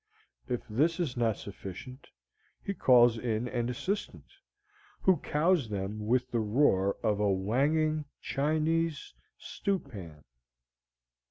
If this is not sufficient, he calls in an assistant, who cows them with the roar of a whanging Chinese stewpan.